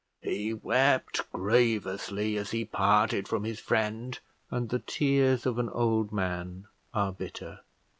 He wept grievously as he parted from his friend, and the tears of an old man are bitter.